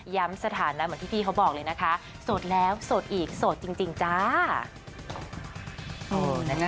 สถานะเหมือนที่พี่เขาบอกเลยนะคะโสดแล้วโสดอีกโสดจริงจ้า